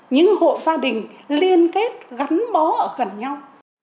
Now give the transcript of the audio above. những hộ gia đình liên kết gắn bó ở gần nhau